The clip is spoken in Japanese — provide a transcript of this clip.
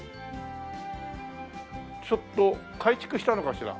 ちょっと改築したのかしら？